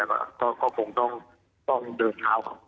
ก็คงต้องเดินเท้า